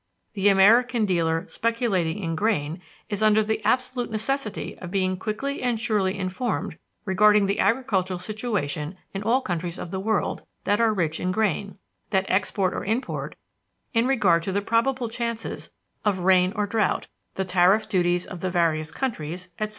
The American dealer speculating in grain is under the absolute necessity of being quickly and surely informed regarding the agricultural situation in all countries of the world that are rich in grain, that export or import; in regard to the probable chances of rain or drouth; the tariff duties of the various countries, etc.